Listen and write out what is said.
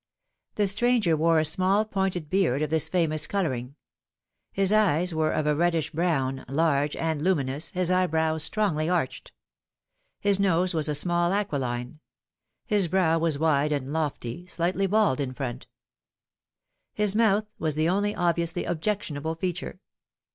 The stranger wore a small pointed beard of this famous colouring. His eyes were of a reddish brown, large, and luminous, his eyebrows strongly arched ; his nose was a small aquiline ; his brow was wide and lofty, slightly bald in front. His mouth was the only obviously objectionable feature.